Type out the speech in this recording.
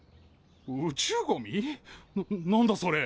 宇宙ゴミ？な何だそれ。